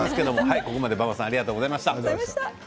ここまで馬場さんありがとうございました。